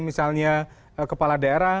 misalnya kepala daerah